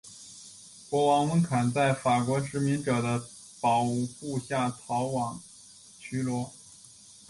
国王温坎在法国殖民者的保护下逃往暹罗。